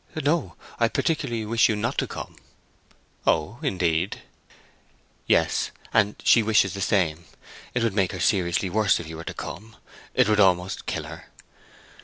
"No; I particularly wish you not to come." "Oh, indeed." "Yes; and she wishes the same. It would make her seriously worse if you were to come. It would almost kill her....